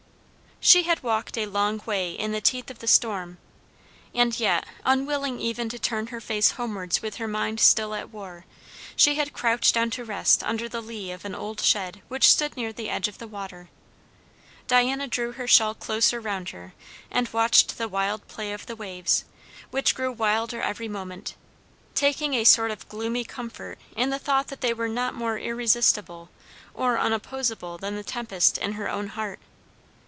She had walked a long way in the teeth of the storm, and yet, unwilling even to turn her face homewards with her mind still at war, she had crouched down to rest under the lee of an old shed which stood near the edge of the water. Diana drew her shawl closer round her and watched the wild play of the waves, which grew wilder every moment; taking a sort of gloomy comfort in the thought that they were not more irresistible or unopposable than the tempest in her own heart.